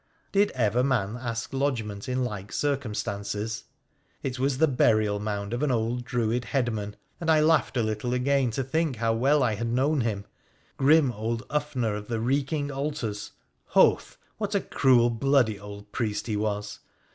Did ever man ask lodgment in like circumstances ? It was the burial mound of an old Druid headman, and I laughed a little again to think how well I had known him — grim old Ufner of the Reeking Altars. Hoth ! what a cruel, bloody old priest he was